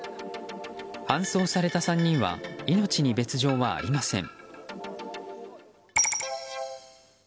搬送された３人は命に別条はありません。